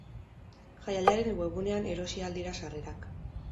Jaialdiaren webgunean erosi ahal dira sarrerak.